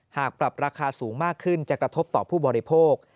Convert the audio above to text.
หากปรับราคาสูงมากขึ้นจะกระทบต่อผู้บริโภค